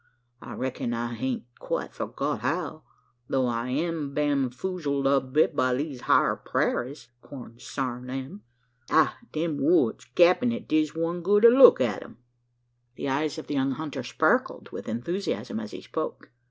I reck'n I ain't quite forgot how: though I am bamfoozled a bit by these hyar parairies consarn them! Ah! them woods, capt'n! it diz one good to look at 'em!" The eyes of the young hunter sparkled with enthusiasm as he spoke.